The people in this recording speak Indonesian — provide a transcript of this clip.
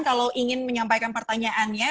kalau ingin menyampaikan pertanyaannya